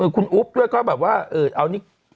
คุณอุปก็แบบว่าเอานี้